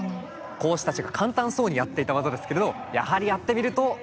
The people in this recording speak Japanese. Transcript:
講師たちが簡単そうにやっていた技ですけれどもやはりやってみるとなかなか大変そうです。